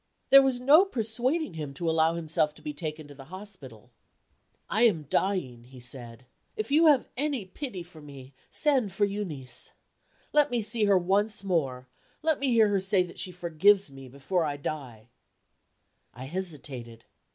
There was no persuading him to allow himself to be taken to the hospital. "I am dying," he said. "If you have any pity for me, send for Euneece. Let me see her once more, let me hear her say that she forgives me, before I die." I hesitated.